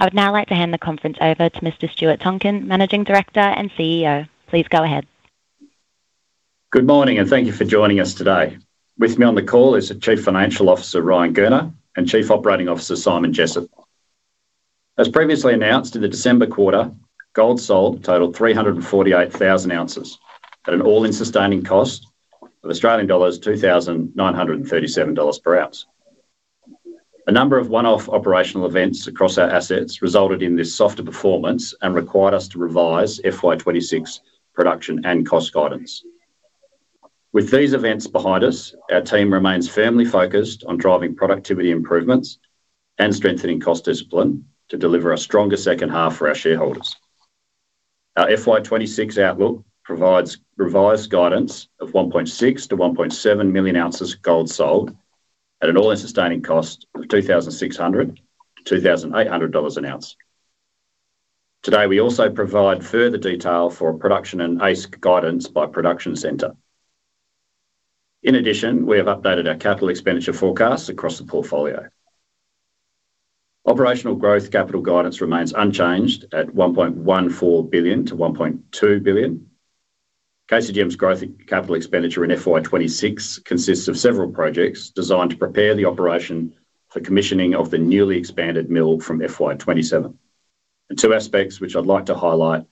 I would now like to hand the conference over to Mr. Stuart Tonkin, Managing Director and CEO. Please go ahead. Good morning, and thank you for joining us today. With me on the call is Chief Financial Officer Ryan Gurner and Chief Operating Officer Simon Jessop. As previously announced in the December quarter, gold sold totaled 348,000 ounces at an all-in sustaining cost of $2,937 per ounce. A number of one-off operational events across our assets resulted in this softer performance and required us to revise FY26 production and cost guidance. With these events behind us, our team remains firmly focused on driving productivity improvements and strengthening cost discipline to deliver a stronger second half for our shareholders. Our FY26 outlook provides revised guidance of 1.6-1.7 million ounces of gold sold at an all-in sustaining cost of $2,600-$2,800 an ounce. Today, we also provide further detail for production and AISC guidance by production center. In addition, we have updated our capital expenditure forecasts across the portfolio. Operational growth capital guidance remains unchanged at $1.14 billion-$1.2 billion. KCGM's growth capital expenditure in FY26 consists of several projects designed to prepare the operation for commissioning of the newly expanded mill from FY27. The two aspects which I'd like to highlight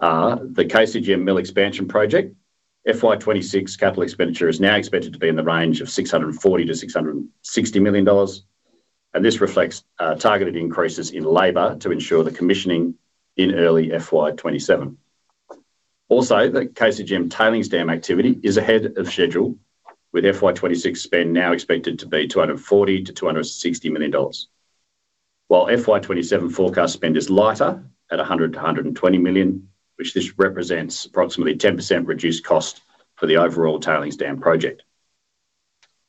are the KCGM Mill Expansion Project. FY26 capital expenditure is now expected to be in the range of $640-$660 million, and this reflects targeted increases in labor to ensure the commissioning in early FY27. Also, the KCGM tailings dam activity is ahead of schedule, with FY26 spend now expected to be $240-$260 million, while FY27 forecast spend is lighter at $100-$120 million, which represents approximately 10% reduced cost for the overall tailings dam project,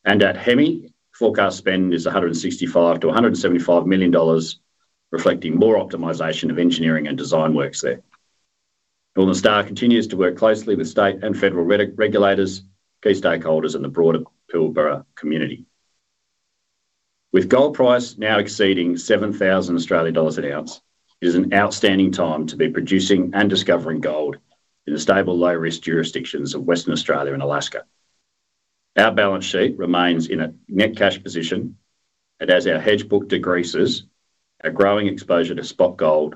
and at Hemi, forecast spend is $165-$175 million, reflecting more optimization of engineering and design works there. Northern Star continues to work closely with state and federal regulators, key stakeholders, and the broader Pilbara community. With gold price now exceeding $7,000 an ounce, it is an outstanding time to be producing and discovering gold in the stable, low-risk jurisdictions of Western Australia and Alaska. Our balance sheet remains in a net cash position, and as our hedge book decreases, our growing exposure to spot gold,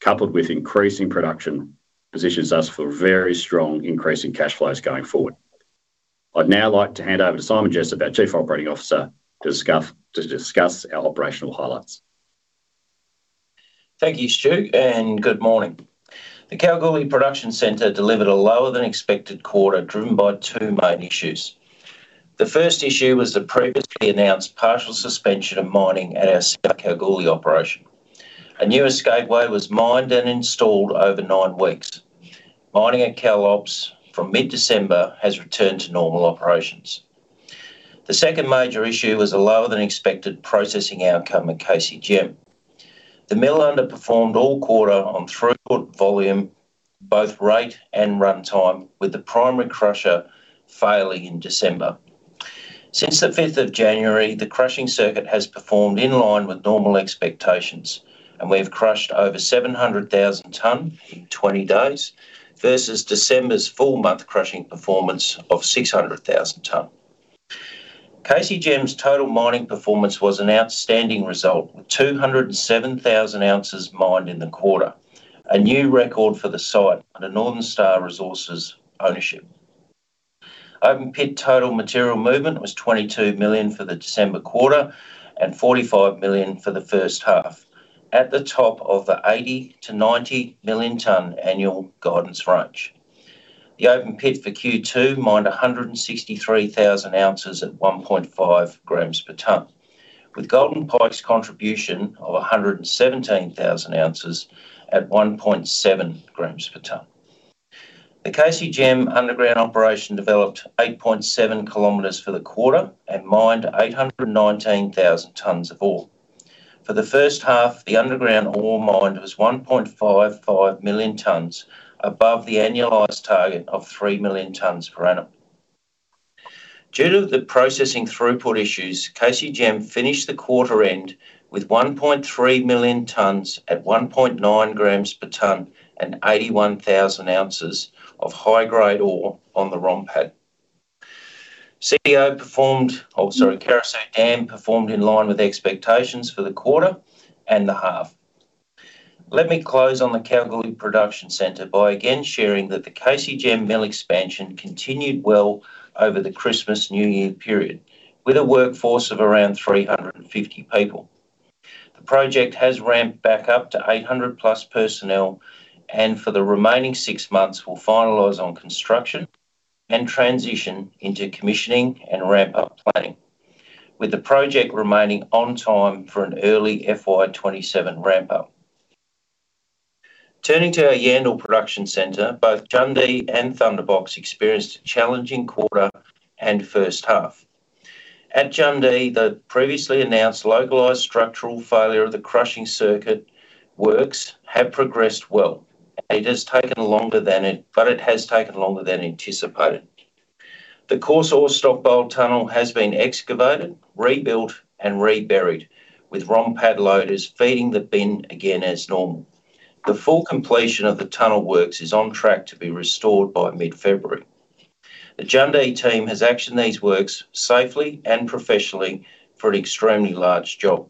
coupled with increasing production, positions us for very strong increasing cash flows going forward. I'd now like to hand over to Simon Jessop, our Chief Operating Officer, to discuss our operational highlights. Thank you, Stuart, and good morning. The Kalgoorlie Production Centre delivered a lower-than-expected quarter driven by two main issues. The first issue was the previously announced partial suspension of mining at our South Kalgoorlie Operations. A new escape way was mined and installed over nine weeks. Mining at South Kal from mid-December has returned to normal operations. The second major issue was a lower-than-expected processing outcome at KCGM. The mill underperformed all quarter on throughput volume, both rate and runtime, with the primary crusher failing in December. Since the 5th of January, the crushing circuit has performed in line with normal expectations, and we have crushed over 700,000 tonnes in 20 days versus December's full-month crushing performance of 600,000 tonnes. KCGM's total mining performance was an outstanding result, with 207,000 ounces mined in the quarter, a new record for the site under Northern Star Resources' ownership. Open pit total material movement was AUD 22 million for the December quarter and AUD 45 million for the first half, at the top of the 80-90 million-tonne annual guidance range. The open pit for Q2 mined 163,000 ounces at 1.5 grams per tonne, with Golden Pike's contribution of 117,000 ounces at 1.7 grams per tonne. The KCGM underground operation developed 8.7 kilometers for the quarter and mined 819,000 tonnes of ore. For the first half, the underground ore mined was 1.55 million tonnes, above the annualised target of 3 million tonnes per annum. Due to the processing throughput issues, KCGM finished the quarter end with 1.3 million tonnes at 1.9 grams per tonne and 81,000 ounces of high-grade ore on the ROM pad. Carosue Dam performed in line with expectations for the quarter and the half. Let me close on the Kalgoorlie Production Centre by again sharing that the KCGM mill expansion continued well over the Christmas-New Year period, with a workforce of around 350 people. The project has ramped back up to 800-plus personnel, and for the remaining six months, we'll finalize on construction and transition into commissioning and ramp-up planning, with the project remaining on time for an early FY27 ramp-up. Turning to our Yandal Production Centre, both Jundee and Thunderbox experienced a challenging quarter and first half. At Jundee, the previously announced localised structural failure of the crushing circuit works have progressed well, but it has taken longer than anticipated. The coarse ore stockpile tunnel has been excavated, rebuilt, and reburied, with ROM pad loaders feeding the bin again as normal. The full completion of the tunnel works is on track to be restored by mid-February. The Jundee team has actioned these works safely and professionally for an extremely large job.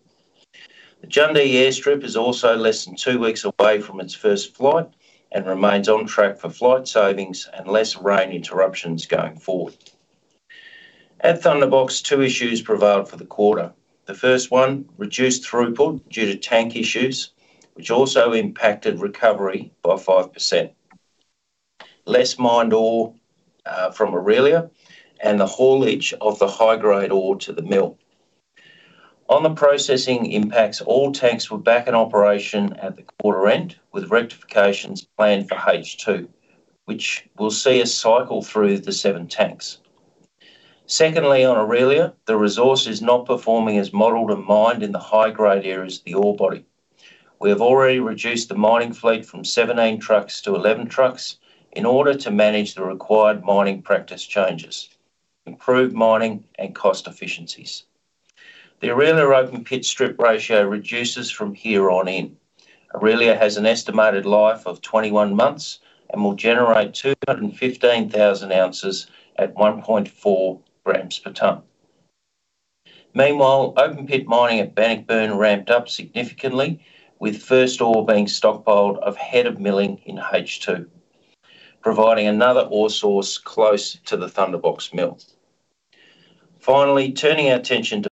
The Jundee airstrip is also less than two weeks away from its first flight and remains on track for flight savings and less rain interruptions going forward. At Thunderbox, two issues prevailed for the quarter. The first one, reduced throughput due to tank issues, which also impacted recovery by 5%. Less mined ore from Orelia and the haulage of the high-grade ore to the mill. On the processing impacts, all tanks were back in operation at the quarter end, with rectifications planned for H2, which we'll see a cycle through the seven tanks. Secondly, on Orelia, the resource is not performing as modeled and mined in the high-grade areas of the orebody. We have already reduced the mining fleet from 17 trucks to 11 trucks in order to manage the required mining practice changes, improve mining, and cost efficiencies. The Orelia open pit strip ratio reduces from here on in. Orelia has an estimated life of 21 months and will generate 215,000 ounces at 1.4 grams per tonne. Meanwhile, open pit mining at Bannockburn ramped up significantly, with first ore being stockpiled ahead of milling in H2, providing another ore source close to the Thunderbox mill. Finally, turning our attention to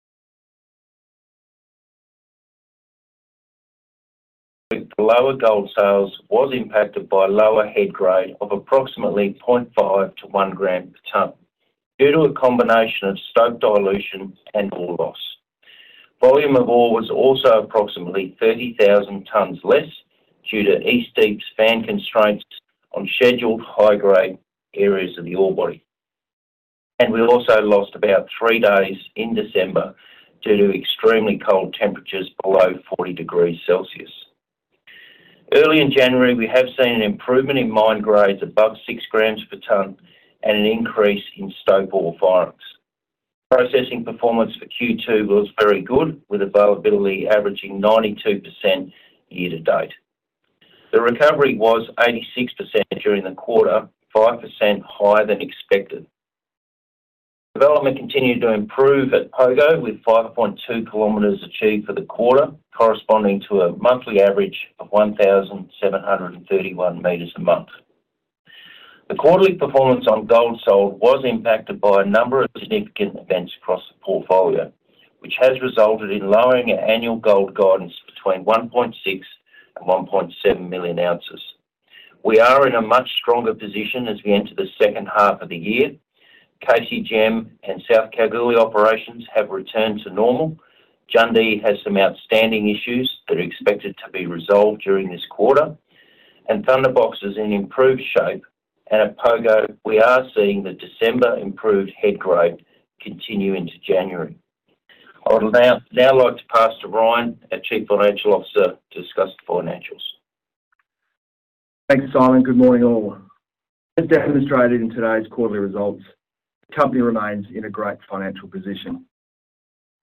the lower gold sales, was impacted by lower head grade of approximately 0.5-1 gram per tonne due to a combination of stope dilution and ore loss. Volume of ore was also approximately 30,000 tonnes less due to East Deeps' fan constraints on scheduled high-grade areas of the orebody. We also lost about three days in December due to extremely cold temperatures below 40 degrees Celsius. Early in January, we have seen an improvement in mine grades above 6 grams per tonne and an increase in stope ore firings. Processing performance for Q2 was very good, with availability averaging 92% year to date. The recovery was 86% during the quarter, 5% higher than expected. Development continued to improve at Pogo, with 5.2 kilometres achieved for the quarter, corresponding to a monthly average of 1,731 metres a month. The quarterly performance on gold sold was impacted by a number of significant events across the portfolio, which has resulted in lowering our annual gold guidance between 1.6 and 1.7 million ounces. We are in a much stronger position as we enter the second half of the year. KCGM and South Kalgoorlie operations have returned to normal. Jundee has some outstanding issues that are expected to be resolved during this quarter, and Thunderbox is in improved shape, and at Pogo, we are seeing the December improved head grade continue into January. I would now like to pass to Ryan, our Chief Financial Officer, to discuss the financials. Thanks, Simon. Good morning, all. As demonstrated in today's quarterly results, the company remains in a great financial position.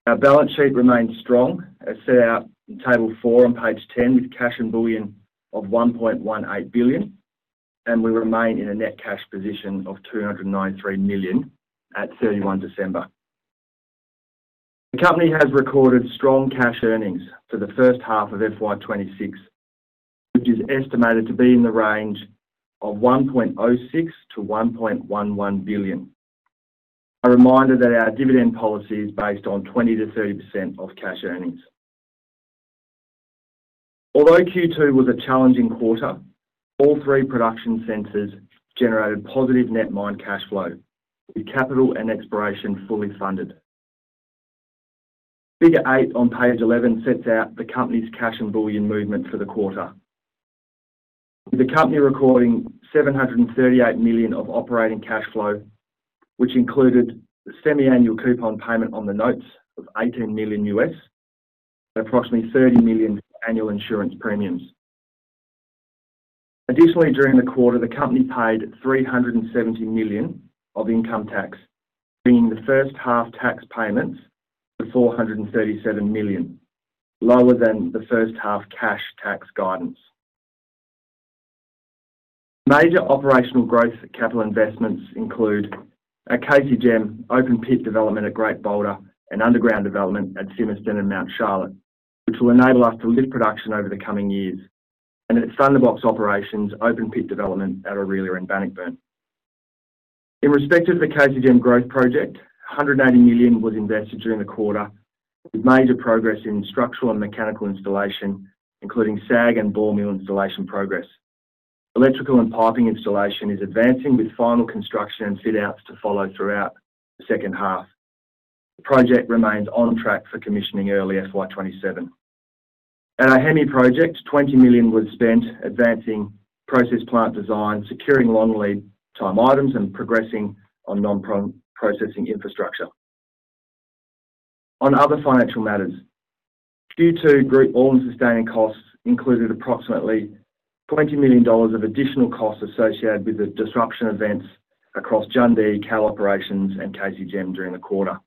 Our balance sheet remains strong, as set out in Table 4 on page 10, with cash and bullion of 1.18 billion, and we remain in a net cash position of 293 million at 31 December. The company has recorded strong cash earnings for the first half of FY26, which is estimated to be in the range of 1.06-1.11 billion. A reminder that our dividend policy is based on 20%-30% of cash earnings. Although Q2 was a challenging quarter, all three production centers generated positive net mine cash flow, with capital and exploration fully funded. Figure 8 on page 11 sets out the company's cash bullion movement for the quarter, with the company recording 738 million of operating cash flow, which included semi-annual coupon payment on the notes of $18 million and approximately 30 million annual insurance premiums. Additionally, during the quarter, the company paid 370 million of income tax, bringing the first half tax payments to 437 million, lower than the first half cash tax guidance. Major operational growth capital investments include a KCGM open pit development at Great Boulder and underground development at Fimiston and Mount Charlotte, which will enable us to lift production over the coming years, and at Thunderbox Operations, open pit development at Orelia and Bannockburn. In respect of the KCGM Growth Project, 180 million was invested during the quarter, with major progress in structural and mechanical installation, including SAG and ball mill installation progress. Electrical and piping installation is advancing, with final construction and fit-outs to follow throughout the second half. The project remains on track for commissioning early FY27. At our Hemi Project, $20 million was spent advancing process plant design, securing long lead time items, and progressing on non-processing infrastructure. On other financial matters, Q2 group all-in sustaining costs included approximately $20 million of additional costs associated with the disruption events across Jundee, Kalgoorlie Operations, and KCGM during the quarter.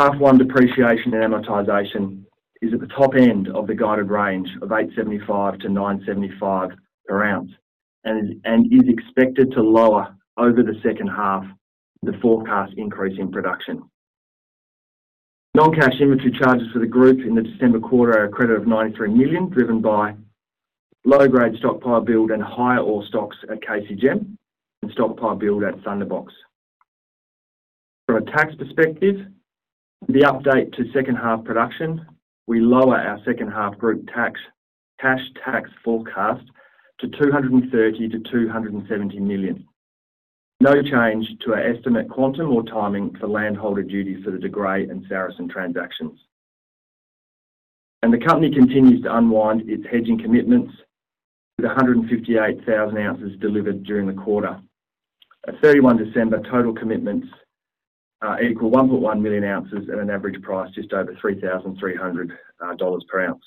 H1 depreciation and amortization is at the top end of the guided range of $875-$975 per ounce and is expected to lower over the second half, with the forecast increase in production. Non-cash inventory charges for the group in the December quarter are a credit of $93 million, driven by low-grade stockpile build and higher ore stocks at KCGM and stockpile build at Thunderbox. From a tax perspective, with the update to second half production, we lower our second half group cash tax forecast to $230 million-$270 million. No change to our estimate quantum or timing for landholder duties for the De Grey and Saracen transactions. The company continues to unwind its hedging commitments, with 158,000 ounces delivered during the quarter. At 31 December, total commitments equal 1.1 million ounces at an average price just over $3,300 per ounce.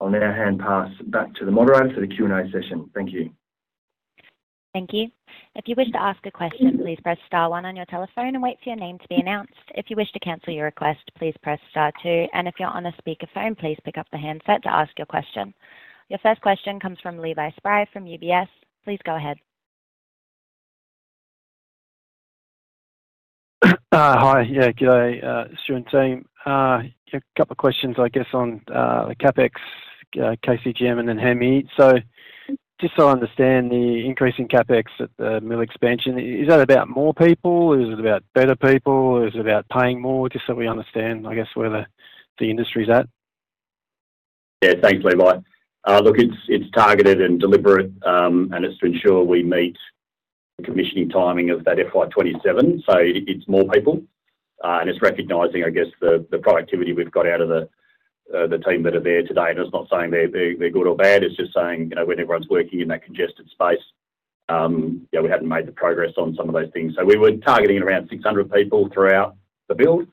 I'll now hand pass back to the moderator for the Q&A session. Thank you. Thank you. If you wish to ask a question, please press star one on your telephone and wait for your name to be announced. If you wish to cancel your request, please press star two and if you're on a speakerphone, please pick up the handset to ask your question. Your first question comes from Levi Spry from UBS. Please go ahead. Hi. Yeah, good day, Stuart and team. A couple of questions, I guess, on the CapEx, KCGM, and then Hemi. So just so I understand, the increasing CapEx at the mill expansion, is that about more people? Is it about better people? Is it about paying more? Just so we understand, I guess, where the industry's at. Yeah, thanks, Levi. Look, it's targeted and deliberate, and it's to ensure we meet the commissioning timing of that FY27. So it's more people, and it's recognizing, I guess, the productivity we've got out of the team that are there today. It's not saying they're good or bad. It's just saying when everyone's working in that congested space, we haven't made the progress on some of those things. We were targeting around 600 people throughout the build.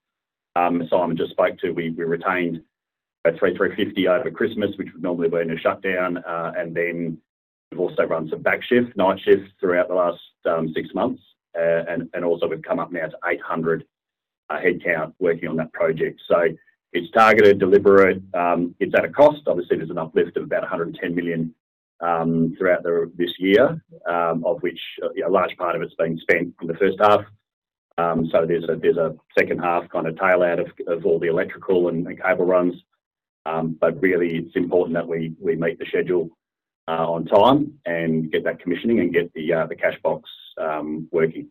Simon just spoke to, we retained about 3,350 over Christmas, which would normally have been a shutdown. We've also run some back shift, night shift throughout the last six months. We've come up now to 800 headcount working on that project. It's targeted, deliberate. It's at a cost. Obviously, there's an uplift of about 110 million throughout this year, of which a large part of it's being spent in the first half. So there's a second half kind of tail out of all the electrical and cable runs. But really, it's important that we meet the schedule on time and get that commissioning and get the cash box working.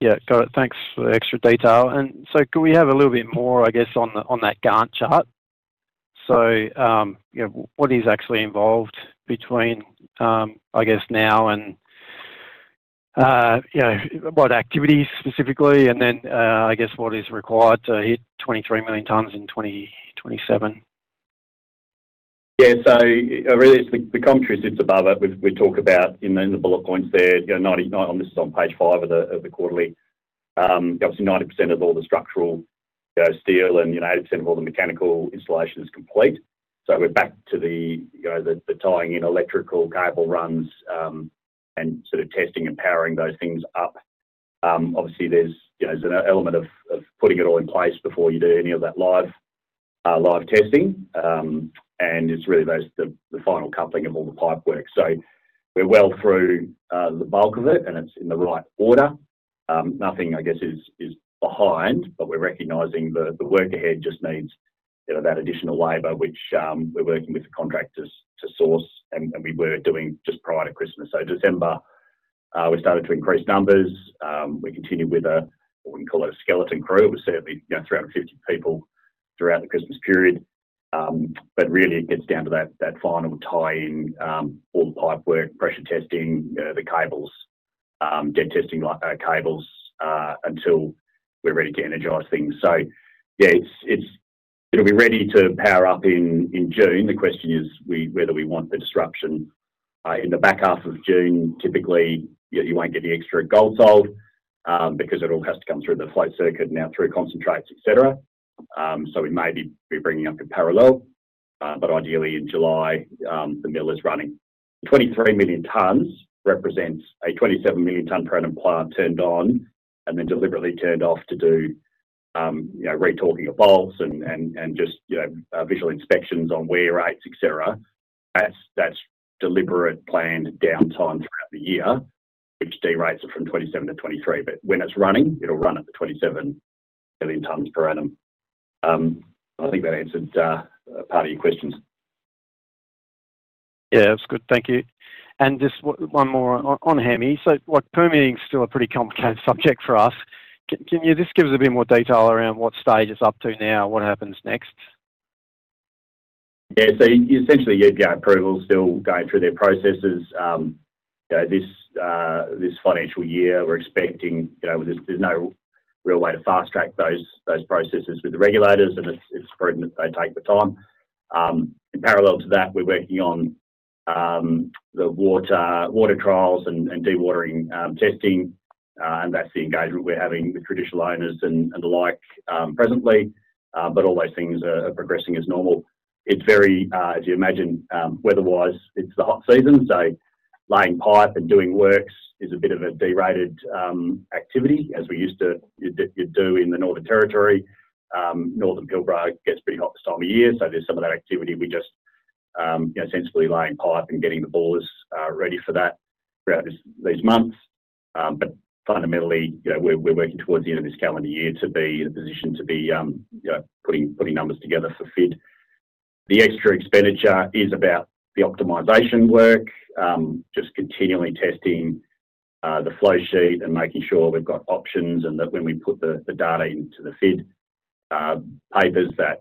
Yeah, got it. Thanks for the extra detail, and so can we have a little bit more, I guess, on that Gantt chart, so what is actually involved between, I guess, now and what activities specifically, and then I guess what is required to hit 23 million tonnes in 2027? Yeah. So really, the contrast that's above it, we talk about in the bullet points there. This is on page five of the quarterly. Obviously, 90% of all the structural steel and 80% of all the mechanical installation is complete. So we're back to the tying in electrical cable runs and sort of testing and powering those things up. Obviously, there's an element of putting it all in place before you do any of that live testing. And it's really the final coupling of all the pipework. So we're well through the bulk of it, and it's in the right order. Nothing, I guess, is behind, but we're recognizing the work ahead just needs that additional labor, which we're working with the contractors to source. And we were doing just prior to Christmas. So December, we started to increase numbers. We continued with a, we can call it a skeleton crew. It was certainly 350 people throughout the Christmas period. But really, it gets down to that final tying, all the pipework, pressure testing, the cables, dead testing cables until we're ready to energize things. So yeah, it'll be ready to power up in June. The question is whether we want the disruption. In the back half of June, typically, you won't get the extra gold sold because it all has to come through the float circuit and out through concentrates, etc. So we may be bringing up in parallel. But ideally, in July, the mill is running. 23 million tonnes represents a 27 million tonne per annum plant turned on and then deliberately turned off to do retorquing of bolts and just visual inspections on wear rates, etc. That's deliberate planned downtime throughout the year, which derates it from 27 to 23. But when it's running, it'll run at the 27 million tonnes per annum. I think that answered part of your questions. Yeah, that's good. Thank you. And just one more on Hemi. So permitting is still a pretty complicated subject for us. Can you just give us a bit more detail around what stage it's up to now? What happens next? Yeah. So essentially, EPA approval is still going through their processes. This financial year, we're expecting there's no real way to fast track those processes with the regulators, and it's prudent that they take the time. In parallel to that, we're working on the water trials and dewatering testing. And that's the engagement we're having with Traditional Owners and the like presently. But all those things are progressing as normal. It's very, as you imagine, weather-wise, it's the hot season. So laying pipe and doing works is a bit of a derated activity, as we used to do in the Northern Territory. Northern Pilbara gets pretty hot this time of year. So there's some of that activity. We're just sensibly laying pipe and getting the bores ready for that throughout these months. But fundamentally, we're working towards the end of this calendar year to be in a position to be putting numbers together for FID. The extra expenditure is about the optimization work, just continually testing the flowsheet and making sure we've got options and that when we put the data into the FID papers, that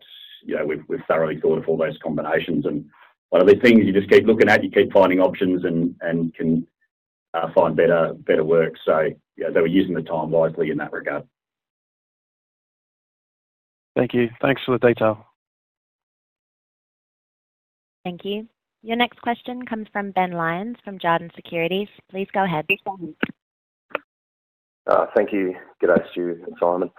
we've thoroughly thought of all those combinations. And one of the things you just keep looking at, you keep finding options and can find better work. So yeah, they were using the time wisely in that regard. Thank you. Thanks for the detail. Thank you. Your next question comes from Ben Lyons from Jarden Securities. Please go ahead. Thank you. Good day to you, Simon.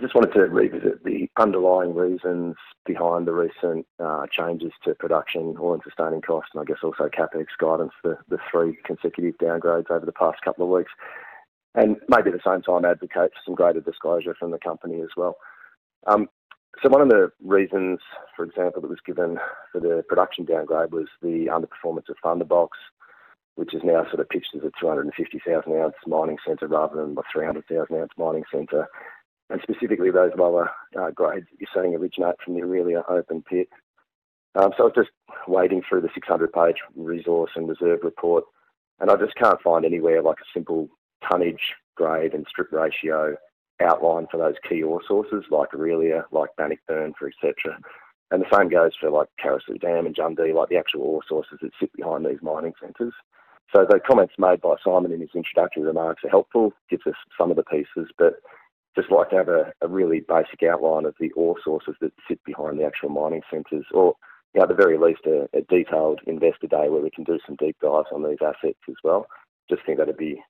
Just wanted to revisit the underlying reasons behind the recent changes to production or in sustaining costs and I guess also CapEx guidance, the three consecutive downgrades over the past couple of weeks, and maybe at the same time, advocate for some greater disclosure from the company as well, so one of the reasons, for example, that was given for the production downgrade was the underperformance of Thunderbox, which is now sort of pitched as a 250,000-ounce mining center rather than a 300,000-ounce mining center, and specifically, those lower grades, you're saying originate from the Orelia open pit. So I was just wading through the 600-page resource and reserve report, and I just can't find anywhere like a simple tonnage grade and strip ratio outline for those key ore sources like Orelia, like Bannockburn, etc. And the same goes for Carosue Dam and Jundee, like the actual ore sources that sit behind these mining centers. So the comments made by Simon in his introductory remarks are helpful. Gives us some of the pieces, but just like to have a really basic outline of the ore sources that sit behind the actual mining centers or at the very least a detailed investor day where we can do some deep dives on these assets as well. Just think that'd be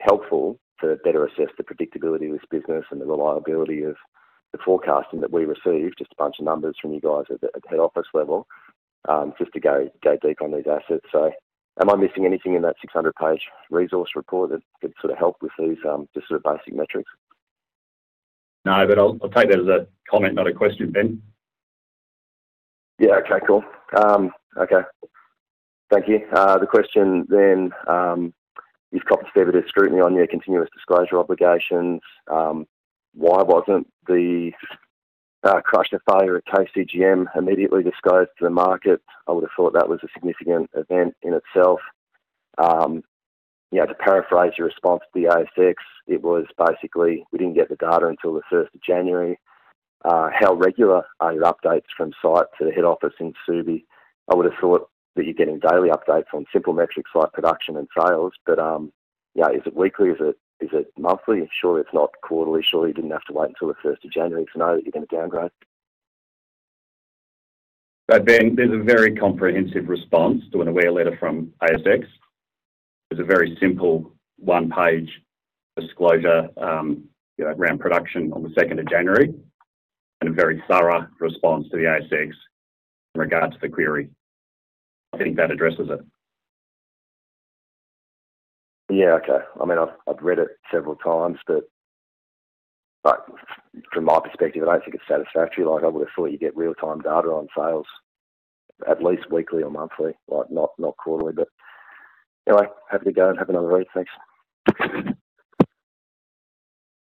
helpful to better assess the predictability of this business and the reliability of the forecasting that we received, just a bunch of numbers from you guys at head office level, just to go deep on these assets. So am I missing anything in that 600-page resource report that could sort of help with these just sort of basic metrics? No, but I'll take that as a comment, not a question, Ben. Yeah. Okay. Cool. Okay. Thank you. The question then is, Corp Sec did scrutiny on your continuous disclosure obligations. Why wasn't the crusher failure at KCGM immediately disclosed to the market? I would have thought that was a significant event in itself. To paraphrase your response to the ASX, it was basically we didn't get the data until the 1st of January. How regular are your updates from site to the head office in Subiaco? I would have thought that you're getting daily updates on simple metrics like production and sales, but is it weekly? Is it monthly? Surely it's not quarterly. Surely you didn't have to wait until the 1st of January to know that you're going to downgrade. So, Ben, there's a very comprehensive response to an awareness letter from ASX. There's a very simple one-page disclosure around production on the 2nd of January and a very thorough response to the ASX in regards to the query. I think that addresses it. Yeah. Okay. I mean, I've read it several times, but from my perspective, I don't think it's satisfactory. I would have thought you get real-time data on sales at least weekly or monthly, not quarterly. But anyway, happy to go and have another read. Thanks.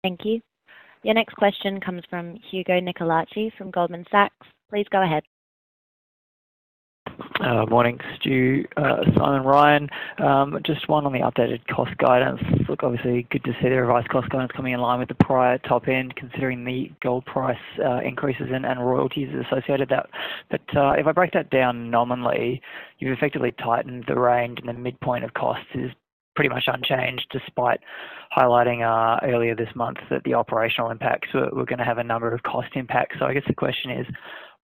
Thank you. Your next question comes from Hugo Nicolaci from Goldman Sachs. Please go ahead. Morning, Simon, Ryan. Just one on the updated cost guidance. Look, obviously, good to see the revised cost guidance coming in line with the prior top end, considering the gold price increases and royalties associated with that. But if I break that down nominally, you've effectively tightened the range and the midpoint of costs is pretty much unchanged despite highlighting earlier this month that the operational impacts were going to have a number of cost impacts. So I guess the question is,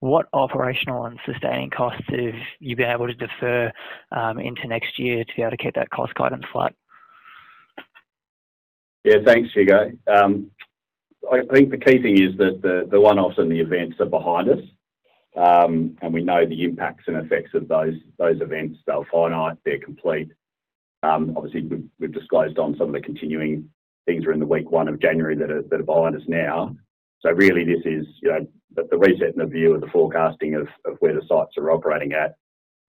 what operational and sustaining costs have you been able to defer into next year to be able to keep that cost guidance flat? Yeah. Thanks, Hugo. I think the key thing is that the one-offs and the events are behind us, and we know the impacts and effects of those events. They're finite. They're complete. Obviously, we've disclosed on some of the continuing things that are in the week one of January that are behind us now. So really, this is the reset and the view of the forecasting of where the sites are operating at,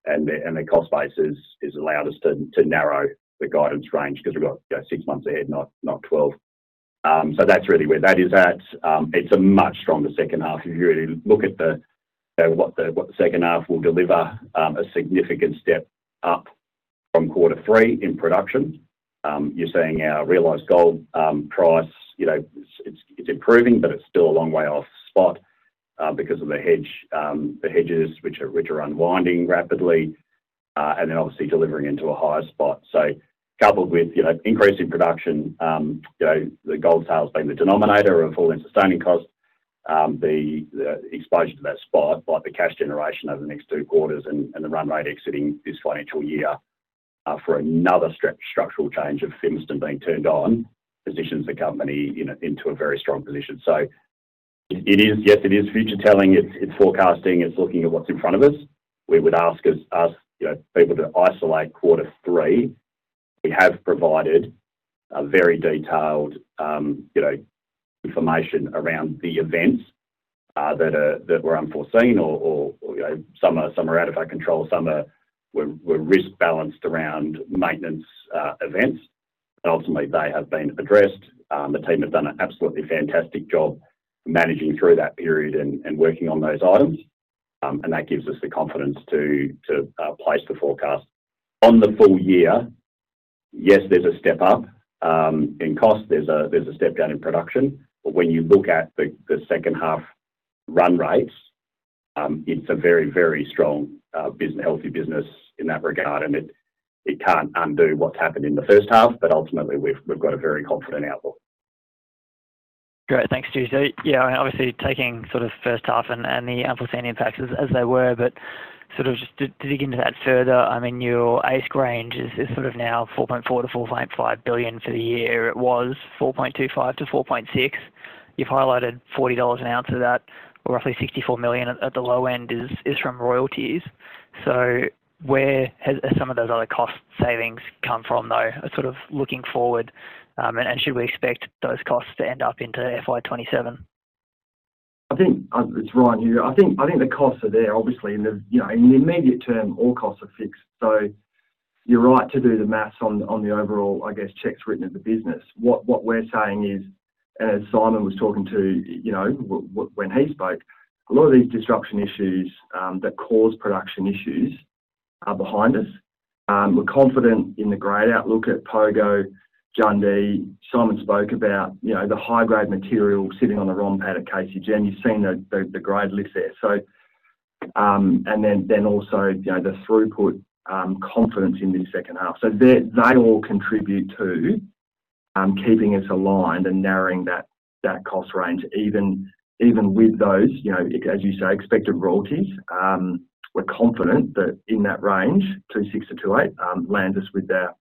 and the cost basis has allowed us to narrow the guidance range because we've got six months ahead, not 12. So that's really where that is at. It's a much stronger second half. If you really look at what the second half will deliver, a significant step up from quarter three in production. You're seeing our realized gold price. It's improving, but it's still a long way off spot because of the hedges, which are unwinding rapidly, and then obviously delivering into a higher spot. So coupled with increasing production, the gold sales being the denominator of all the sustaining costs, the exposure to that spot by the cash generation over the next two quarters and the run rate exiting this financial year for another structural change of Fimiston being turned on positions the company into a very strong position. So yes, it is future telling. It's forecasting. It's looking at what's in front of us. We would ask people to isolate quarter three. We have provided very detailed information around the events that were unforeseen or some are out of our control, some were risk balanced around maintenance events. But ultimately, they have been addressed. The team have done an absolutely fantastic job managing through that period and working on those items, and that gives us the confidence to place the forecast. On the full year, yes, there's a step up in cost. There's a step down in production, but when you look at the second half run rates, it's a very, very strong, healthy business in that regard, and it can't undo what's happened in the first half, but ultimately, we've got a very confident outlook. Great. Thanks, Judy. So yeah, obviously, taking sort of first half and the unforeseen impacts as they were, but sort of just to dig into that further, I mean, your AISC range is sort of now $4.4 billion-$4.5 billion for the year. It was $4.25 billion-$4.6 billion. You've highlighted $40 an ounce of that, or roughly $64 million at the low end is from royalties. So where has some of those other cost savings come from, though, sort of looking forward? And should we expect those costs to end up into FY27? I think it's right here. I think the costs are there, obviously. In the immediate term, all costs are fixed. So you're right to do the math on the overall, I guess, checks written at the business. What we're saying is, and as Simon was talking to when he spoke, a lot of these disruption issues that cause production issues are behind us. We're confident in the grade outlook at Pogo, Jundee. Simon spoke about the high-grade material sitting on the wrong pad at KCGM. You've seen the grade lift there. And then also the throughput confidence in this second half. So they all contribute to keeping us aligned and narrowing that cost range. Even with those, as you say, expected royalties, we're confident that in that range, $2,600-$2,800, lands us with their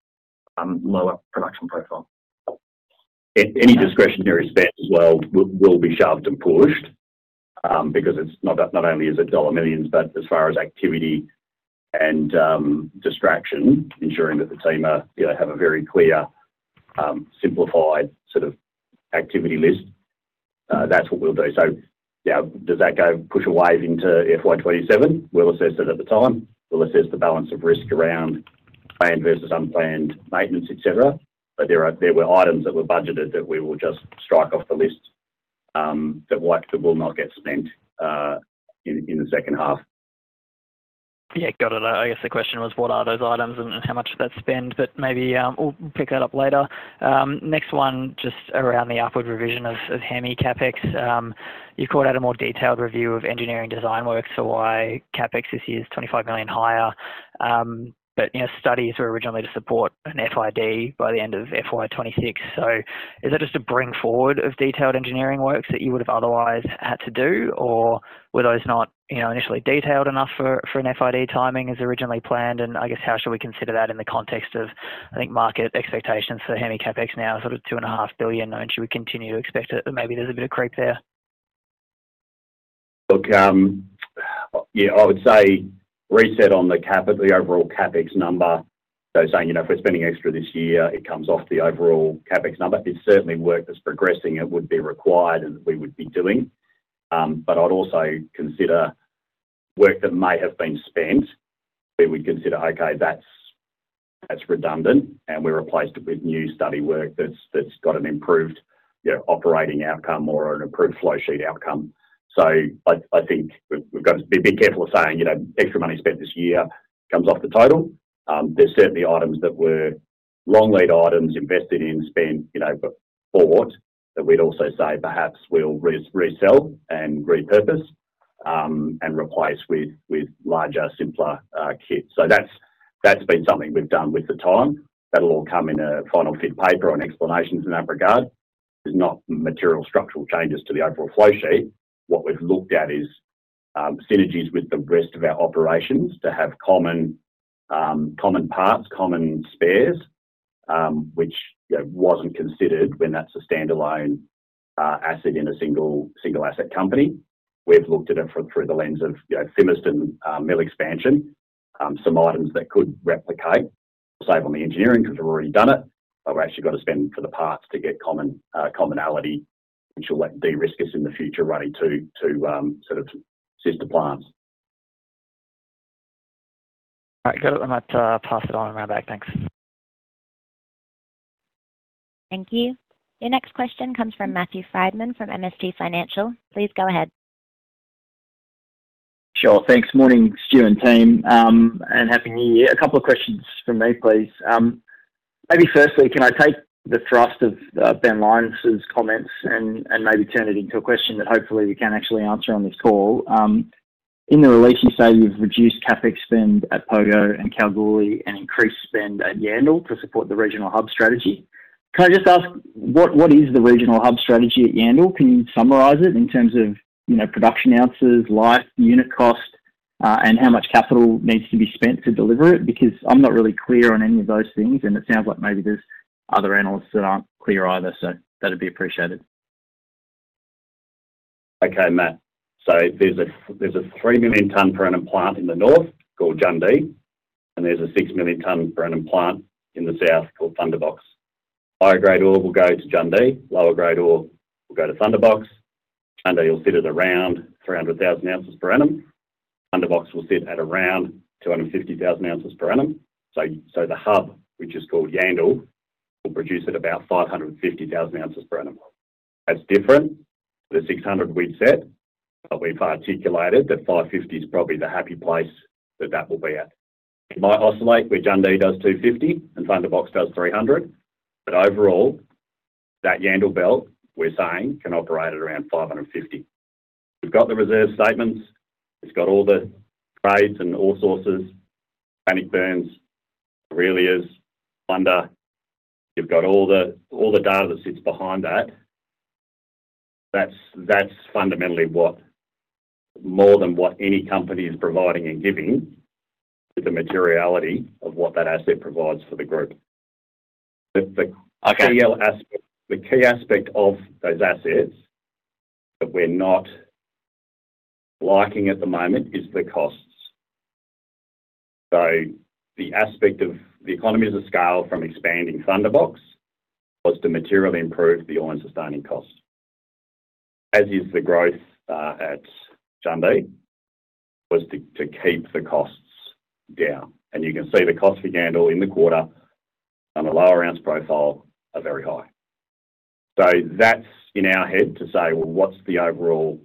lower production profile. Any discretionary spend as well will be shelved and pushed because it's not only is it dollar millions, but as far as activity and distraction, ensuring that the team have a very clear, simplified sort of activity list. That's what we'll do. So does that go push a wave into FY27? We'll assess it at the time. We'll assess the balance of risk around planned versus unplanned maintenance, etc. But there were items that were budgeted that we will just strike off the list that will not get spent in the second half. Yeah. Got it. I guess the question was, what are those items and how much are they spent? But maybe we'll pick that up later. Next one, just around the upward revision of Hemi CapEx. You've called out a more detailed review of engineering design work, so why CapEx this year is 25 million higher. But studies were originally to support an FID by the end of FY26. So is that just a bring forward of detailed engineering works that you would have otherwise had to do? Or were those not initially detailed enough for an FID timing as originally planned? And I guess, how should we consider that in the context of, I think, market expectations for Hemi CapEx now, sort of 2.5 billion? And should we continue to expect that maybe there's a bit of creep there? Look, yeah, I would say reset on the overall CapEx number. So, saying if we're spending extra this year, it comes off the overall CapEx number. It's certainly work that's progressing and would be required and that we would be doing. But I'd also consider work that may have been spent. We would consider, okay, that's redundant, and we replaced it with new study work that's got an improved operating outcome or an improved flow sheet outcome. So I think we've got to be careful of saying extra money spent this year comes off the total. There's certainly items that were long lead items invested in, spent, bought, that we'd also say perhaps we'll resell and repurpose and replace with larger, simpler kits. So that's been something we've done with the time. That'll all come in a final FID paper on explanations in that regard. There's not material structural changes to the overall flow sheet. What we've looked at is synergies with the rest of our operations to have common parts, common spares, which wasn't considered when that's a standalone asset in a single asset company. We've looked at it through the lens of Fimiston mill expansion, some items that could replicate, save on the engineering because we've already done it, but we've actually got to spend for the parts to get commonality, which will de-risk us in the future running to sort of sister plants. All right. Got it. I might pass it on around back. Thanks. Thank you. Your next question comes from Matthew Frydman from MST Financial. Please go ahead. Sure. Thanks. Morning, Stuart and team, and happy new year. A couple of questions from me, please. Maybe firstly, can I take the thrust of Ben Lyons' comments and maybe turn it into a question that hopefully we can actually answer on this call? In the release, you say you've reduced CapEx spend at Pogo and Kalgoorlie and increased spend at Yandal to support the regional hub strategy. Can I just ask, what is the regional hub strategy at Yandal? Can you summarize it in terms of production ounces, life, unit cost, and how much capital needs to be spent to deliver it? Because I'm not really clear on any of those things, and it sounds like maybe there's other analysts that aren't clear either, so that'd be appreciated. Okay, Matt. So there's a 3 million tonne per annum plant in the north called Jundee, and there's a 6 million tonne per annum plant in the south called Thunderbox. Higher grade ore will go to Jundee. Lower grade ore will go to Thunderbox. Jundee will sit at around 300,000 ounces per annum. Thunderbox will sit at around 250,000 ounces per annum. So the hub, which is called Yandal, will produce at about 550,000 ounces per annum. That's different. The 600 we've set, but we've articulated that 550 is probably the happy place that that will be at. It might oscillate where Jundee does 250 and Thunderbox does 300, but overall, that Yandal belt, we're saying, can operate at around 550. We've got the reserve statements. It's got all the trades and all sources, Bannockburn, derivatives, Thunderbox. You've got all the data that sits behind that. That's fundamentally more than what any company is providing and giving with the materiality of what that asset provides for the group. The key aspect of those assets that we're not liking at the moment is the costs. So the economies of scale from expanding Thunderbox was to materially improve the all-in sustaining costs, as is the growth at Jundee, was to keep the costs down. And you can see the costs for Yandal in the quarter on the lower ounce profile are very high. So that's in our head to say, well, what's the overall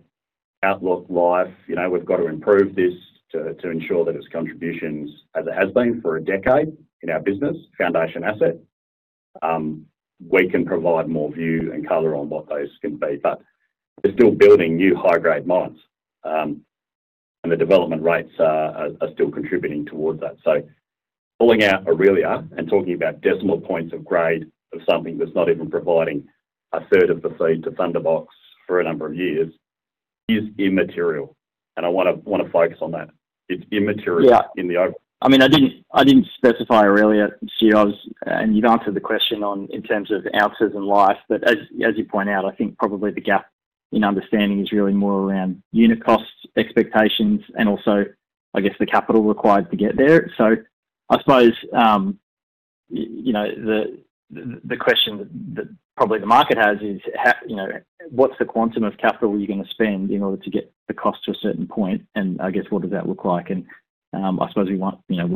outlook? Like, we've got to improve this to ensure that its contributions, as it has been for a decade in our business, foundation asset, we can provide more view and color on what those can be. But we're still building new high-grade mines, and the development rates are still contributing towards that. So pulling out Orelia and talking about decimal points of grade of something that's not even providing a third of the feed to Thunderbox for a number of years is immaterial. And I want to focus on that. It's immaterial in the overall. Yeah. I mean, I didn't specify Orelia, Stuart. And you've answered the question in terms of ounces and life. But as you point out, I think probably the gap in understanding is really more around unit costs, expectations, and also, I guess, the capital required to get there. So I suppose the question that probably the market has is, what's the quantum of capital you're going to spend in order to get the cost to a certain point? And I guess, what does that look like? And I suppose we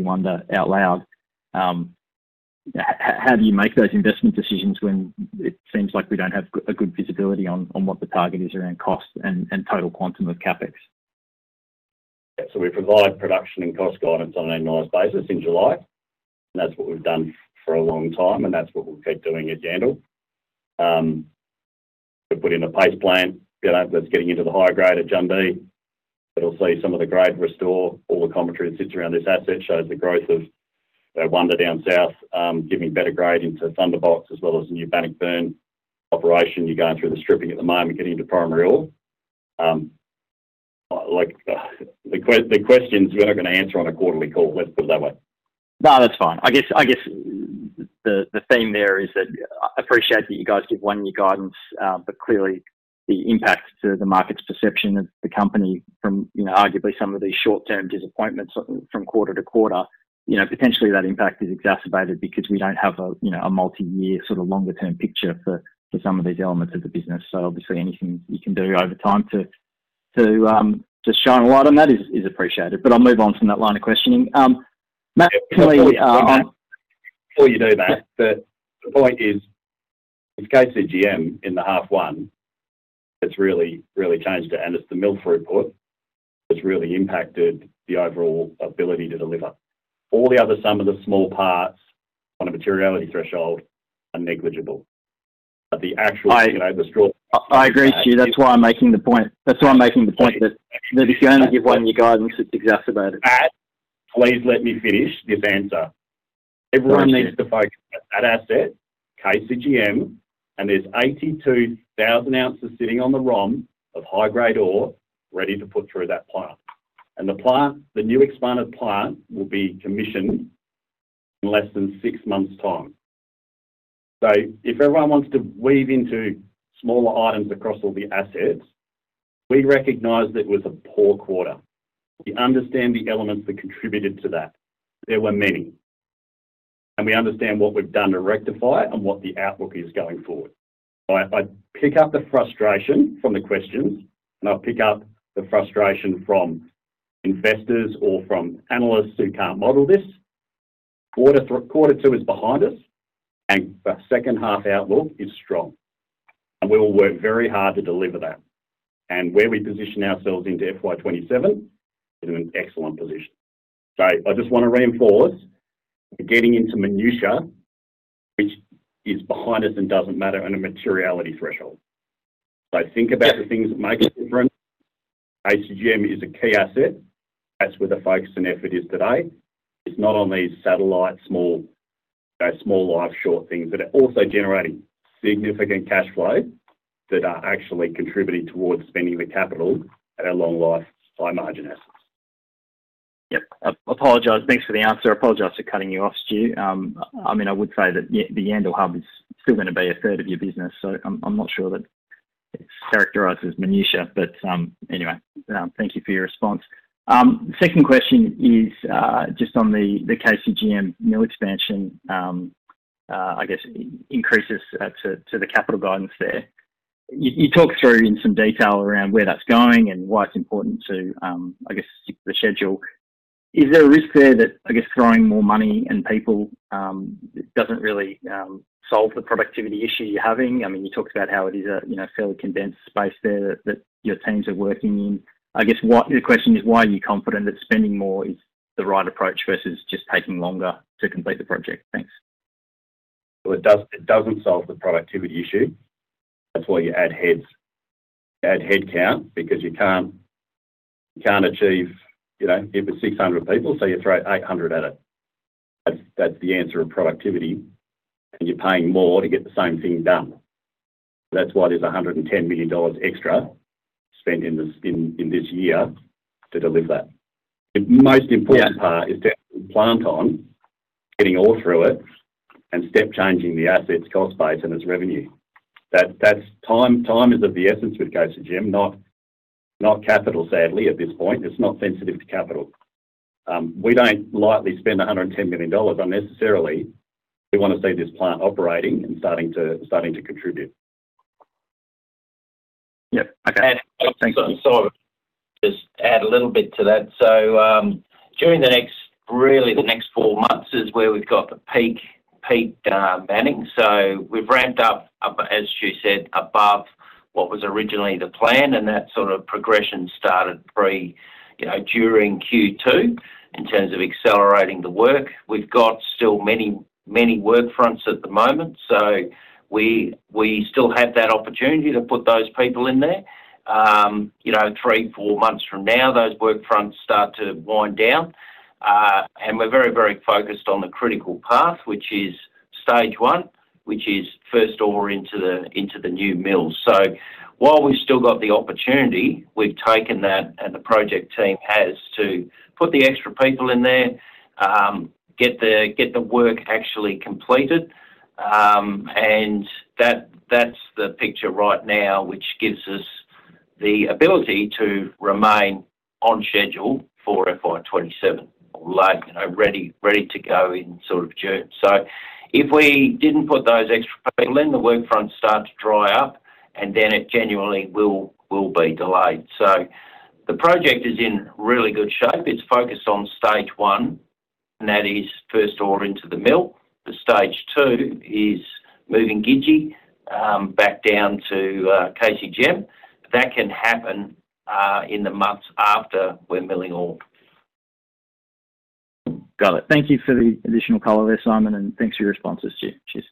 wonder out loud, how do you make those investment decisions when it seems like we don't have a good visibility on what the target is around cost and total quantum of CapEx? Yeah. So we provide production and cost guidance on an annualized basis in July. And that's what we've done for a long time, and that's what we'll keep doing at Yandal. We're putting the pace plan that's getting into the higher grade at Jundee. It'll see some of the grade restore. All the commentary that sits around this asset shows the growth of Wonder down south giving better grade into Thunderbox as well as new Bannockburn operation. You're going through the stripping at the moment, getting into primary ore. The questions, we're not going to answer on a quarterly call. Let's put it that way. No, that's fine. I guess the theme there is that I appreciate that you guys give one-year guidance, but clearly, the impact to the market's perception of the company from arguably some of these short-term disappointments from quarter to quarter, potentially that impact is exacerbated because we don't have a multi-year sort of longer-term picture for some of these elements of the business. So obviously, anything you can do over time to shine a light on that is appreciated. But I'll move on from that line of questioning. Matt, can we? Before you do that, the point is, with KCGM in the half one, it's really changed it, and it's the mill throughput that's really impacted the overall ability to deliver. All the other some of the small parts on a materiality threshold are negligible. But the actual throughput. I agree with you. That's why I'm making the point. That's why I'm making the point that if you only give one-year guidance, it's exacerbated. Please let me finish this answer. Everyone needs to focus on the asset KCGM, and there's 82,000 ounces sitting on the ROM pad of high-grade ore ready to put through that plant. And the new expanded plant will be commissioned in less than six months' time. So if everyone wants to dive into smaller items across all the assets, we recognize that it was a poor quarter. We understand the elements that contributed to that. There were many. And we understand what we've done to rectify it and what the outlook is going forward. I pick up the frustration from the questions, and I'll pick up the frustration from investors or from analysts who can't model this. Quarter two is behind us, and the second half outlook is strong. And we will work very hard to deliver that. And where we position ourselves into FY27, we're in an excellent position. So I just want to reinforce we're getting into minutia, which is behind us and doesn't matter on a materiality threshold. So think about the things that make a difference. KCGM is a key asset. That's where the focus and effort is today. It's not on these satellite small life short things, but also generating significant cash flow that are actually contributing towards spending the capital at a long life, high margin assets. Yep. I apologize. Thanks for the answer. Apologize for cutting you off, Stu. I mean, I would say that the Yandal hub is still going to be a third of your business, so I'm not sure that it's characterized as minutia. But anyway, thank you for your response. Second question is just on the KCGM mill expansion, I guess, increases to the capital guidance there. You talked through in some detail around where that's going and why it's important to, I guess, stick to the schedule. Is there a risk there that, I guess, throwing more money and people doesn't really solve the productivity issue you're having? I mean, you talked about how it is a fairly condensed space there that your teams are working in. I guess the question is, why are you confident that spending more is the right approach versus just taking longer to complete the project? Thanks. So it doesn't solve the productivity issue. That's why you add head count because you can't achieve if it's 600 people, so you throw 800 at it. That's the answer of productivity, and you're paying more to get the same thing done. That's why there's 110 million dollars extra spent in this year to deliver that. The most important part is to have the plant on, getting all through it, and step-changing the asset's cost base and its revenue. Time is of the essence with KCGM, not capital, sadly, at this point. It's not sensitive to capital. We don't lightly spend 110 million dollars unnecessarily. We want to see this plant operating and starting to contribute. Yep. Okay. Thanks. So just add a little bit to that. So during the next, really the next four months is where we've got the peak manning. So we've ramped up, as Stu said, above what was originally the plan, and that sort of progression started during Q2 in terms of accelerating the work. We've got still many work fronts at the moment, so we still have that opportunity to put those people in there. Three, four months from now, those work fronts start to wind down, and we're very, very focused on the critical path, which is stage one, which is first ore into the new mills. So while we've still got the opportunity, we've taken that, and the project team has to put the extra people in there, get the work actually completed. That's the picture right now, which gives us the ability to remain on schedule for FY27, ready to go in sort of June. So if we didn't put those extra people in, the work fronts start to dry up, and then it genuinely will be delayed. So the project is in really good shape. It's focused on stage one, and that is first ore into the mill. The stage two is moving Gidji back down to KCGM. That can happen in the months after we're milling ore. Got it. Thank you for the additional color there, Simon, and thanks for your responses, Stu. Cheers.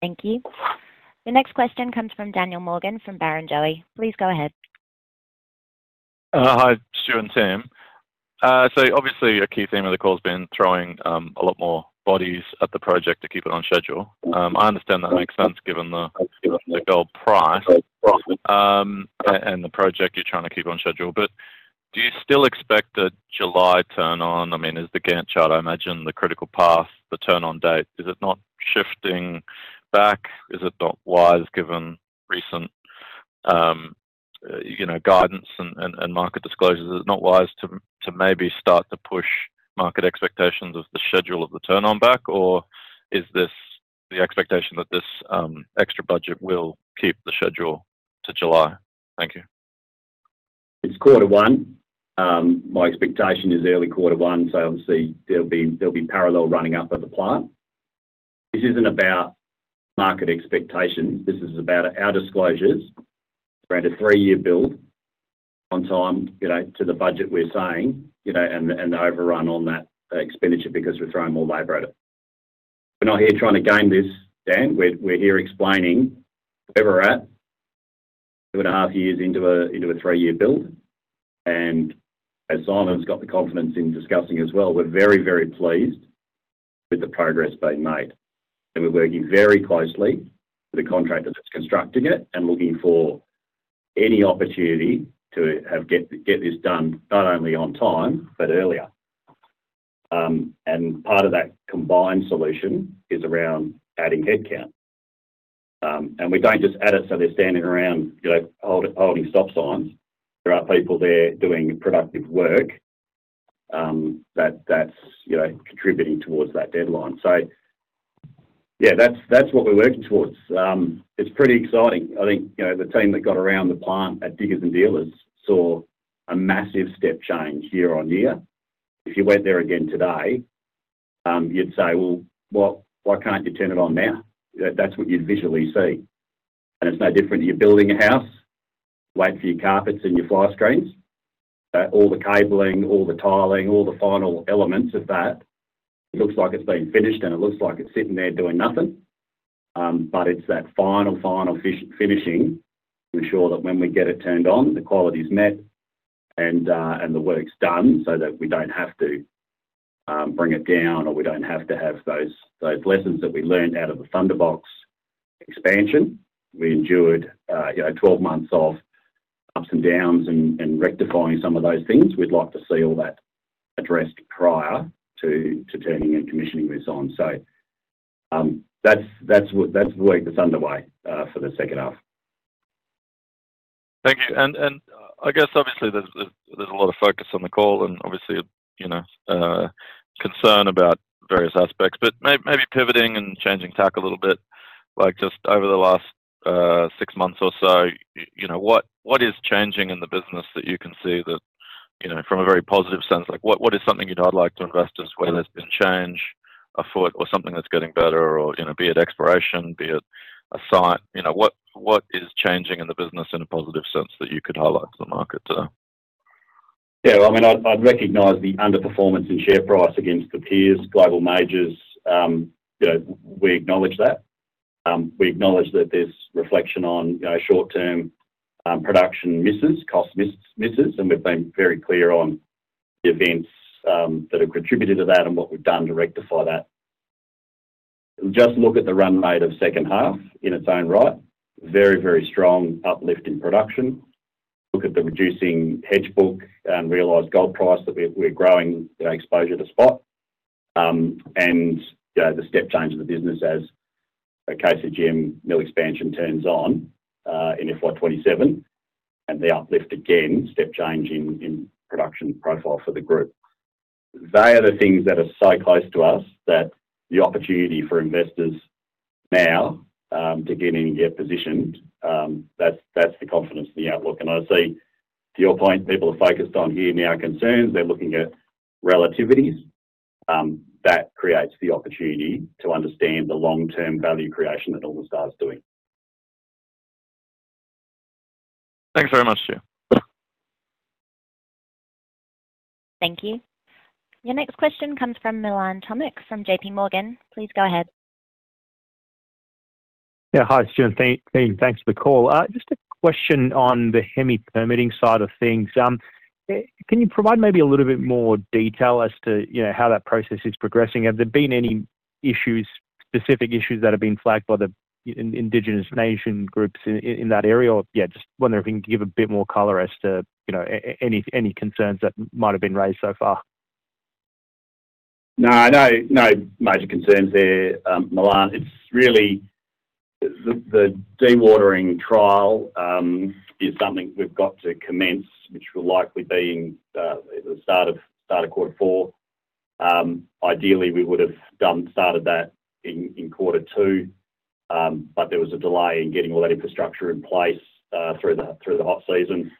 Thank you. The next question comes from Daniel Morgan from Barrenjoey. Please go ahead. Hi, Stu and team, so obviously, a key theme of the call has been throwing a lot more bodies at the project to keep it on schedule. I understand that makes sense given the gold price and the project you're trying to keep on schedule, but do you still expect the July turn-on? I mean, is the Gantt chart, I imagine, the critical path, the turn-on date, is it not shifting back? Is it not wise, given recent guidance and market disclosures? Is it not wise to maybe start to push market expectations of the schedule of the turn-on back, or is this the expectation that this extra budget will keep the schedule to July? Thank you. It's quarter one. My expectation is early quarter one, so obviously, there'll be parallel running up at the plant. This isn't about market expectations. This is about our disclosures, around a three-year build on time to the budget we're saying and the overrun on that expenditure because we're throwing more labor at it. We're not here trying to game this, Dan. We're here explaining where we're at, two and a half years into a three-year build. And as Simon's got the confidence in discussing as well, we're very, very pleased with the progress being made. And we're working very closely with the contractor that's constructing it and looking for any opportunity to get this done not only on time, but earlier. And part of that combined solution is around adding head count. And we don't just add it so they're standing around holding stop signs. There are people there doing productive work that's contributing towards that deadline. So yeah, that's what we're working towards. It's pretty exciting. I think the team that got around the plant at Diggers and Dealers saw a massive step change year on year. If you went there again today, you'd say, "Well, why can't you turn it on now?" That's what you'd visually see. And it's no different. You're building a house, wait for your carpets and your fire screens. All the cabling, all the tiling, all the final elements of that. It looks like it's being finished, and it looks like it's sitting there doing nothing. But it's that final, final finishing to ensure that when we get it turned on, the quality's met and the work's done so that we don't have to bring it down or we don't have to have those lessons that we learned out of the Thunderbox expansion. We endured 12 months of ups and downs and rectifying some of those things. We'd like to see all that addressed prior to turning and commissioning this on. So that's the work that's underway for the second half. Thank you. And I guess, obviously, there's a lot of focus on the call and obviously concern about various aspects. But maybe pivoting and changing tack a little bit. Just over the last six months or so, what is changing in the business that you can see from a very positive sense? What is something you'd highlight to investors where there's been change afoot or something that's getting better, be it exploration, be it a site? What is changing in the business in a positive sense that you could highlight to the market today? Yeah. Well, I mean, I'd recognize the underperformance in share price against the peers, global majors. We acknowledge that. We acknowledge that there's reflection on short-term production misses, cost misses, and we've been very clear on the events that have contributed to that and what we've done to rectify that. Just look at the run rate of second half in its own right. Very, very strong uplift in production. Look at the reducing hedge book and realized gold price that we're growing exposure to spot. And the step change of the business as KCGM mill expansion turns on in FY27 and the uplift again, step change in production profile for the group. They are the things that are so close to us that the opportunity for investors now to get in and get positioned. That's the confidence in the outlook. I see, to your point, people are focused on here-now concerns. They're looking at relativities. That creates the opportunity to understand the long-term value creation that all the stars are doing. Thanks very much, Stu. Thank you. Your next question comes from Milan Tomic from JP Morgan. Please go ahead. Yeah. Hi, Stu. Thanks for the call. Just a question on the Hemi permitting side of things. Can you provide maybe a little bit more detail as to how that process is progressing? Have there been any issues, specific issues that have been flagged by the Indigenous nation groups in that area? Or yeah, just wondering if you can give a bit more color as to any concerns that might have been raised so far. No, no major concerns there, Milan. It's really the dewatering trial is something we've got to commence, which will likely be the start of quarter four. Ideally, we would have started that in quarter two, but there was a delay in getting all that infrastructure in place through the hot season.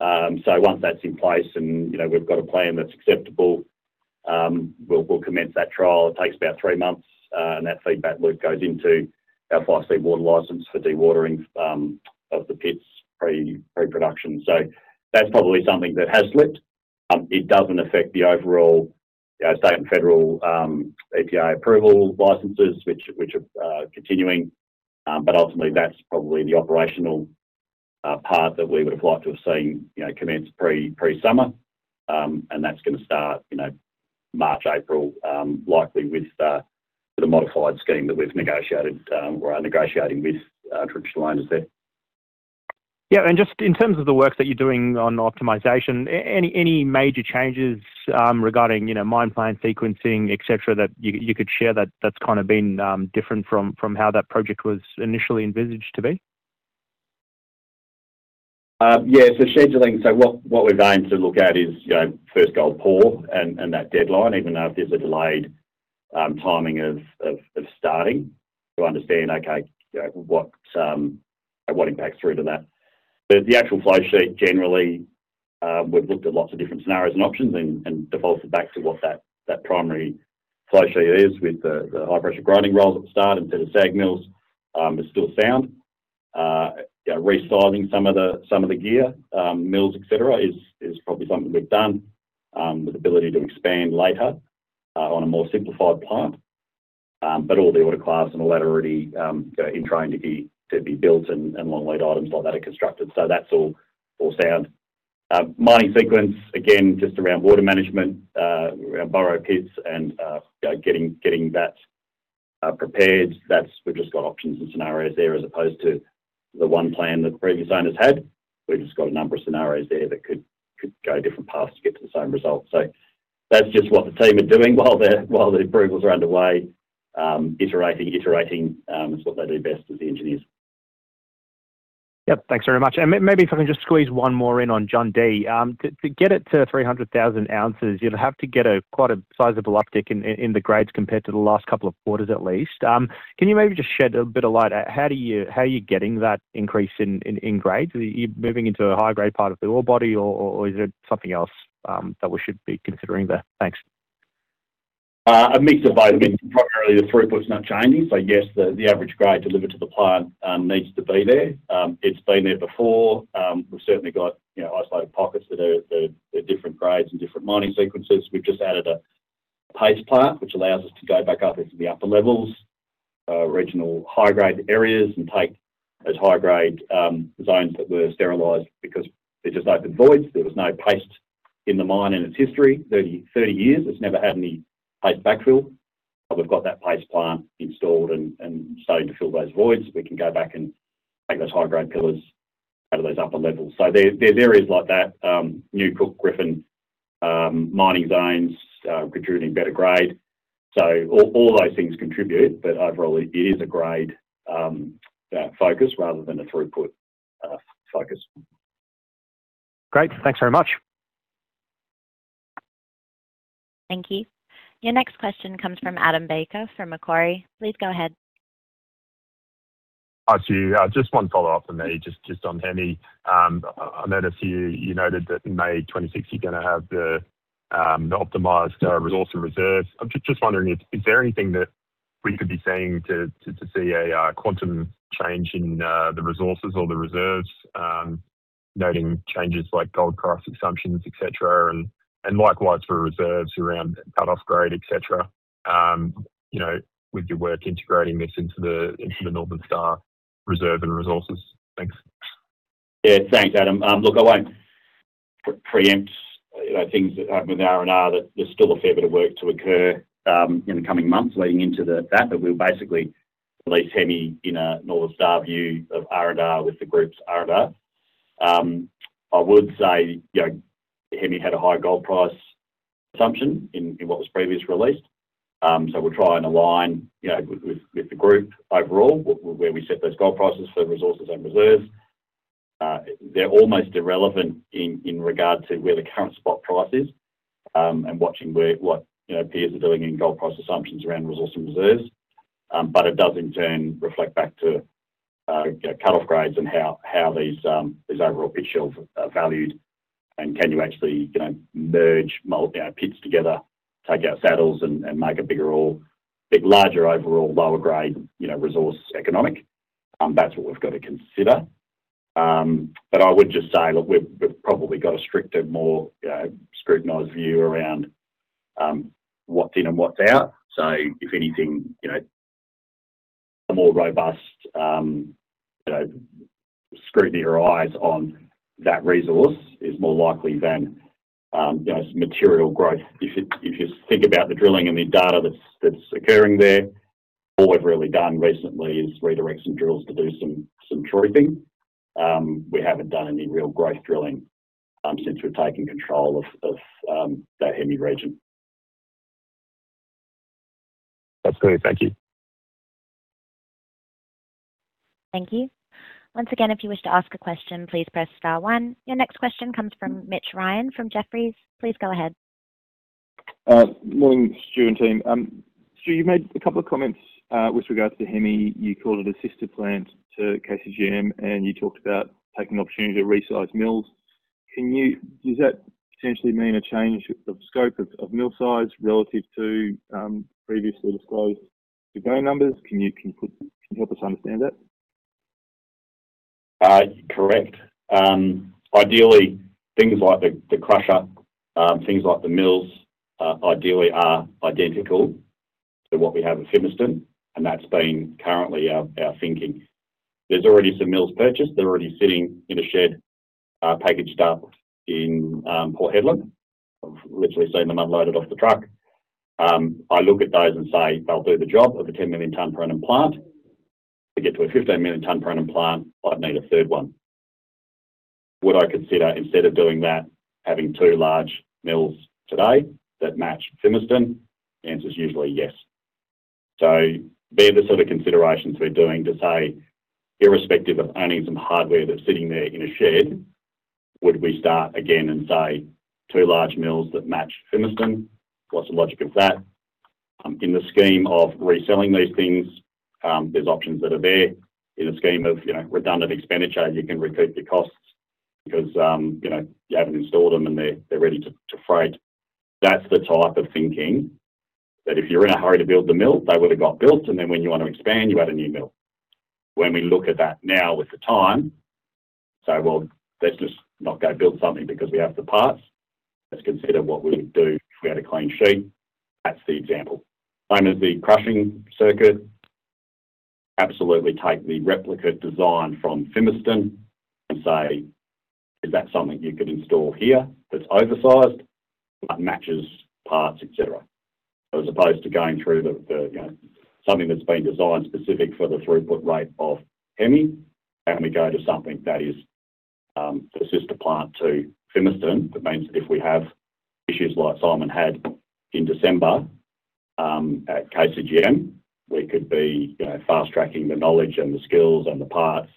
So once that's in place and we've got a plan that's acceptable, we'll commence that trial. It takes about three months, and that feedback loop goes into our 5C water licence for dewatering of the pits pre-production. So that's probably something that has slipped. It doesn't affect the overall state and federal EPA approval licences, which are continuing. But ultimately, that's probably the operational part that we would have liked to have seen commence pre-summer, and that's going to start March, April, likely with the modified scheme that we've negotiated or are negotiating with Traditional Owners there. Yeah, and just in terms of the work that you're doing on optimization, any major changes regarding mine plan sequencing, etc., that you could share, that's kind of been different from how that project was initially envisioned to be? Yeah. So scheduling. So what we're going to look at is first gold pour and that deadline, even though there's a delayed timing of starting, to understand, okay, what impacts through to that. The actual flow sheet, generally, we've looked at lots of different scenarios and options and defaulted back to what that primary flow sheet is with the high-pressure grinding rolls at the start instead of SAG mills. It's still sound. Resizing some of the gear, mills, etc., is probably something we've done with ability to expand later on a more simplified plant. But all the autoclaves and all that are already in train to be built and long lead items like that are constructed. So that's all sound. Mining sequence, again, just around water management, around borrow pits and getting that prepared. We've just got options and scenarios there as opposed to the one plan that previous owners had. We've just got a number of scenarios there that could go different paths to get to the same result. So that's just what the team are doing while the approvals are underway, iterating, iterating. It's what they do best as the engineers. Yep. Thanks very much, and maybe if I can just squeeze one more in on Jundee. To get it to 300,000 ounces, you'll have to get quite a sizable uptick in the grades compared to the last couple of quarters at least. Can you maybe just shed a bit of light? How are you getting that increase in grades? Are you moving into a high-grade part of the ore body, or is there something else that we should be considering there? Thanks. A mix of both. Primarily, the throughput's not changing. So yes, the average grade delivered to the plant needs to be there. It's been there before. We've certainly got isolated pockets that are different grades and different mining sequences. We've just added a paste plant, which allows us to go back up into the upper levels, regional high-grade areas, and take those high-grade zones that were sterilized because they just opened voids. There was no paste in the mine in its history, 30 years. It's never had any paste backfill. But we've got that paste plant installed and starting to fill those voids. We can go back and take those high-grade pillars out of those upper levels. So there's areas like that, New Cook, Griffin mining zones, producing better grade. So all those things contribute. But overall, it is a grade focus rather than a throughput focus. Great. Thanks very much. Thank you. Your next question comes from Adam Baker from Macquarie. Please go ahead. Hi, Stu. Just one follow-up for me, just on Hemi. I noticed you noted that in May 2026, you're going to have the optimized resource and reserve. I'm just wondering, is there anything that we could be seeing to see a quantum change in the resources or the reserves, noting changes like gold price assumptions, etc., and likewise for reserves around cut-off grade, etc., with your work integrating this into the Northern Star reserve and resources? Thanks. Yeah. Thanks, Adam. Look, I won't preempt things that happen with R&R. There's still a fair bit of work to occur in the coming months leading into that. But we'll basically release Hemi in a Northern Star view of R&R with the group's R&R. I would say Hemi had a high gold price assumption in what was previously released. So we'll try and align with the group overall where we set those gold prices for resources and reserves. They're almost irrelevant in regard to where the current spot price is and watching what peers are doing in gold price assumptions around resource and reserves. But it does, in turn, reflect back to cut-off grades and how these overall pit shells are valued. And can you actually merge pits together, take out saddles, and make a bigger or larger overall lower-grade resource economic? That's what we've got to consider. But I would just say, look, we've probably got a stricter, more scrutinized view around what's in and what's out. So if anything, a more robust scrutiny or eyes on that resource is more likely than material growth. If you think about the drilling and the data that's occurring there, all we've really done recently is redirect some drills to do some truthing. We haven't done any real growth drilling since we've taken control of that Hemi region. That's clear. Thank you. Thank you. Once again, if you wish to ask a question, please press star one. Your next question comes from Mitch Ryan from Jefferies. Please go ahead. Morning, Stu and team. Stu, you've made a couple of comments with regards to Hemi. You called it a sister plant to KCGM, and you talked about taking the opportunity to resize mills. Does that potentially mean a change of scope of mill size relative to previously disclosed grade numbers? Can you help us understand that? Correct. Ideally, things like the crusher, things like the mills, ideally are identical to what we have at Fimiston. And that's been currently our thinking. There's already some mills purchased. They're already sitting in a shed packaged up in Port Hedland. I've literally seen them unloaded off the truck. I look at those and say, "They'll do the job of a 10 million tonne per annum plant. To get to a 15 million tonne per annum plant, I'd need a third one." Would I consider, instead of doing that, having two large mills today that match Fimiston? The answer's usually yes. So be the sort of considerations we're doing to say, irrespective of owning some hardware that's sitting there in a shed, would we start again and say, "Two large mills that match Fimiston? What's the logic of that?" In the scheme of reselling these things, there's options that are there. In the scheme of redundant expenditure, you can recoup your costs because you haven't installed them and they're ready to freight. That's the type of thinking that if you're in a hurry to build the mill, they would have got built, and then when you want to expand, you add a new mill. When we look at that now with the time, say, "Well, let's just not go build something because we have the parts. Let's consider what we would do if we had a clean sheet." That's the example. Same as the crushing circuit. Absolutely take the replicate design from Fimiston and say, "Is that something you could install here that's oversized but matches parts, etc.?" As opposed to going through something that's been designed specific for the throughput rate of Hemi, and we go to something that is the sister plant to Fimiston. That means that if we have issues like Simon had in December at KCGM, we could be fast-tracking the knowledge and the skills and the parts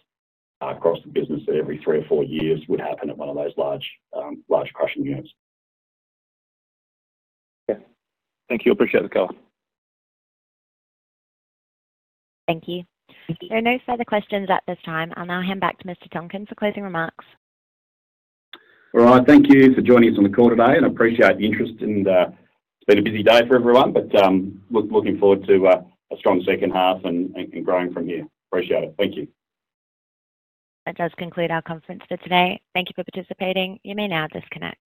across the business that every three or four years would happen at one of those large crushing units. Yeah. Thank you. Appreciate the call. Thank you. There are no further questions at this time. I'll now hand back to Mr. Tonkin for closing remarks. All right. Thank you for joining us on the call today. And I appreciate the interest. It's been a busy day for everyone, but looking forward to a strong second half and growing from here. Appreciate it. Thank you. That does conclude our conference for today. Thank you for participating. You may now disconnect.